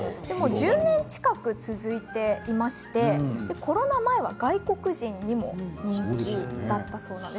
１０年近く続いていましてコロナ前は外国人にも人気だったそうです。